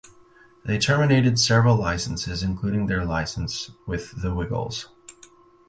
They terminated several licenses including their license with The Wiggles.